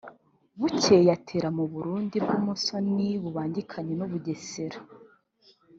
Bukeye atera mu Burundi bw’umusoni bubangikanye n’u Bugesera